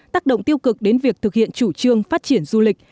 tác động tiêu cực đến việc thực hiện chủ trương phát triển du lịch